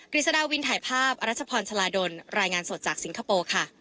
ฤษฎาวินถ่ายภาพอรัชพรชลาดลรายงานสดจากสิงคโปร์ค่ะ